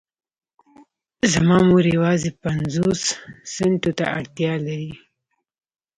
زما مور يوازې پنځوسو سنټو ته اړتيا لري.